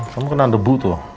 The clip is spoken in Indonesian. kamu kena debu tuh